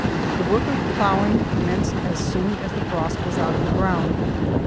The work of ploughing commenced as soon as the frost was out of the ground.